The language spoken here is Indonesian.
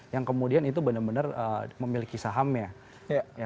yang kemudian itu benar benar memiliki sahamnya